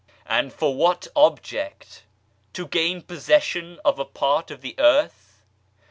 And for what object ? To gain possession of a part of the earth